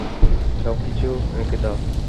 সব কিছু রেখে দাও।